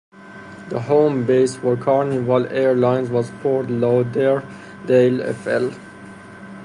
The home base for Carnival Air Lines was Fort Lauderdale, Fl.